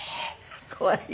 怖い？